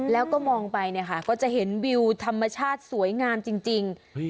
แล้วก็มองไปเนี่ยค่ะก็จะเห็นวิวธรรมชาติสวยงามจริง